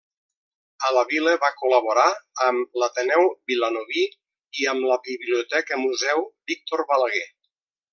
A la vila va col·laborar amb l'Ateneu Vilanoví i amb la Biblioteca-Museu Víctor Balaguer.